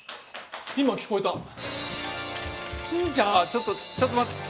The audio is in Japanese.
ちょっとちょっと待って。